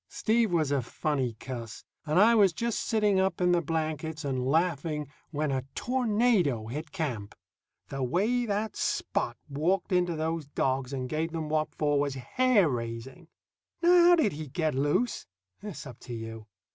Steve was a funny cuss, and I was just sitting up in the blankets and laughing when a tornado hit camp. The way that Spot walked into those dogs and gave them what for was hair raising. Now how did he get loose? It's up to you.